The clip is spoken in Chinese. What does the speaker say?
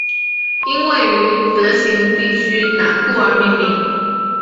因位于行德地区南部而命名。